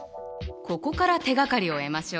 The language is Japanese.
ここから手がかりを得ましょう。